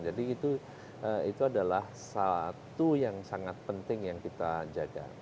jadi itu adalah satu yang sangat penting yang kita jaga